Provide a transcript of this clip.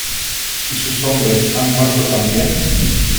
¿ y sus hombres han muerto también ?